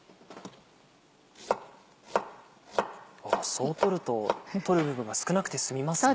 そう取ると取る部分が少なくて済みますね。